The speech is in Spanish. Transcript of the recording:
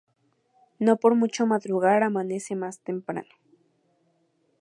No por mucho madrugar amanece más temprano